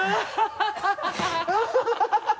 ハハハ